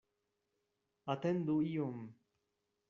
Atendu iom!